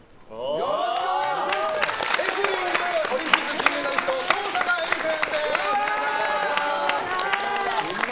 よろしくお願いします。